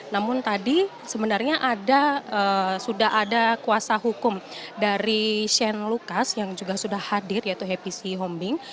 namun tadi sebenarnya sudah ada kuasa hukum dari shane lucas yang juga sudah hadir yaitu hpc hombing